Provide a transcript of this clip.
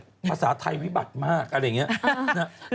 ภาษาไทยวิบัติมากอะไรอย่างนี้